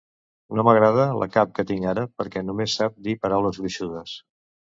No m'agrada la cap que tinc ara perquè només sap dir paraules gruixudes.